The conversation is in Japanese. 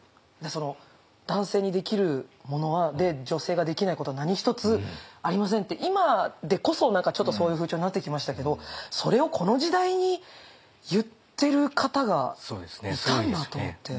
男性にできるもので女性ができないことは何一つありませんって今でこそちょっとそういう風潮になってきましたけどそれをこの時代に言ってる方がいたんだと思って。